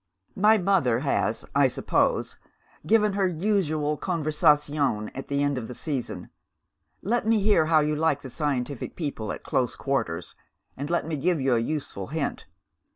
"My mother has, I suppose, given her usual conversazione at the end of the season. Let me hear how you like the scientific people at close quarters, and let me give you a useful hint.